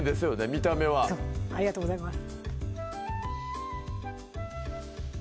見た目はありがとうございます